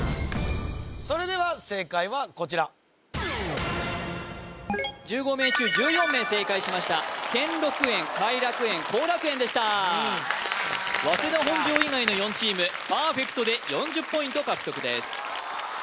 それでは正解はこちら１５名中１４名正解しました兼六園偕楽園後楽園でした早稲田本庄以外の４チームパーフェクトで４０ポイント獲得です